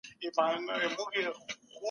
په اسمان کي هیڅ ستوری نه البوځي.